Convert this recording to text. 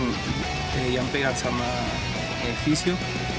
ada yang pegang sama fisio